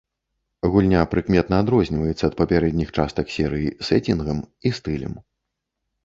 Гульня прыкметна адрозніваецца ад папярэдніх частак серыі сэцінгам і стылем.